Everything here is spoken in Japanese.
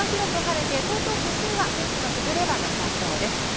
日中は広く晴れて東京都心は天気の崩れはなさそうです。